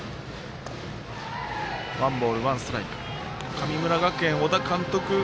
神村学園、小田監督